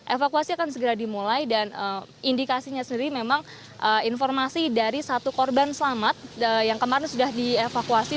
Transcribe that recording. evakuasi akan segera dimulai dan indikasinya sendiri memang informasi dari satu korban selamat yang kemarin sudah dievakuasi